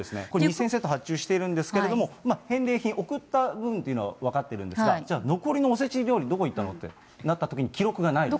セット発注しているんですけれども、返礼品送った分というのは分かってるんですが、じゃあ残りのおせち料理、どこいったのってなったときに、記録がないんです。